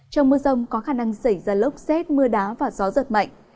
trong mưa rông có khả năng xảy ra lốc xét mưa đá và gió giật mạnh